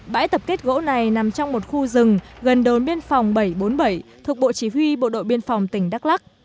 bãi tập kết gỗ này nằm trong một khu rừng gần đồn biên phòng bảy trăm bốn mươi bảy thuộc bộ chỉ huy bộ đội biên phòng tỉnh đắk lắc